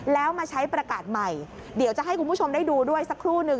แล้วมาใช้ประกาศใหม่เดี๋ยวจะให้คุณผู้ชมได้ดูด้วยสักครู่นึง